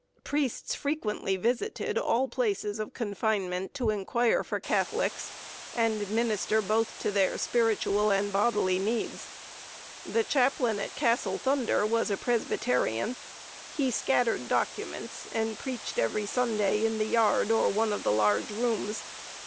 Priests frequently visited all places of confinement to inquire for Catholics, and minister both to their spiritual and bodily needs. The chaplain at Castle Thunder was a Presbyterian. He scattered documents, and preached every Sunday in the yard or one of the large rooms.